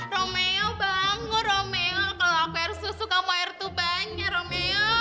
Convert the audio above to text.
romeo bangun romeo kalau aku air susu kamu air tubanya romeo